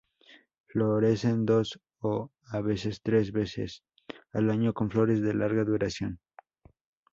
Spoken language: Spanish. Florecen dos o a veces tres veces al año con flores de larga duración.